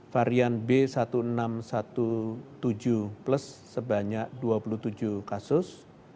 varian b satu enam satu tujuh plus sebanyak dua puluh tujuh kasus